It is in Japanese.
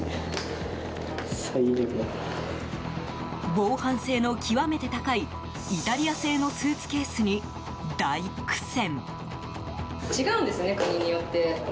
防犯性の極めて高いイタリア製のスーツケースに大苦戦。